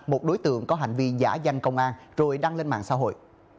một đối tượng có hành vi giả danh công an rồi đăng lên mạng xã hội